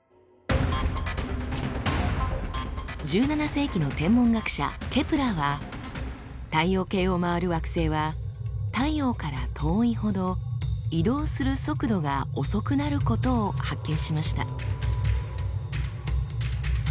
１７世紀の天文学者ケプラーは太陽系を回る惑星は太陽から遠いほど移動する速度が遅くなることを発見しました。